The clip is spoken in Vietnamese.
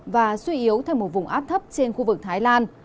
và suy yếu thành một vùng áp thấp trên khu vực thái lan